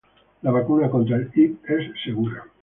La vacuna contra el Hib es segura